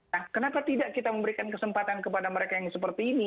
nah kenapa tidak kita memberikan kesempatan kepada mereka yang seperti ini